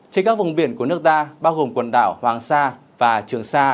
trên các vùng biển của nước ta bao gồm quần đảo hoàng sa và trường sa